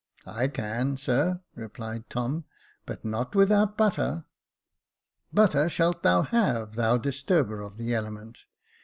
I can, sir," replied Tom ;" but not without butter." "Butter shalt thou have, thou disturber of the element.